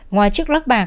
ngoài chiếc lắc bạc